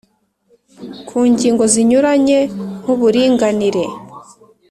Ku ngingo zinyuranye nk'uburinganire